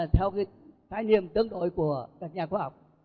theo cái khái niệm tương đối của các nhà khoa học